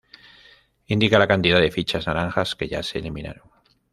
Indica la cantidad de fichas naranjas que ya se eliminaron.